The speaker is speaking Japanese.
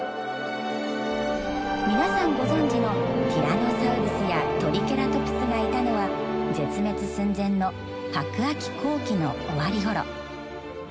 皆さんご存じのティラノサウルスやトリケラトプスがいたのは絶滅寸前の白亜紀後期の終わりごろ。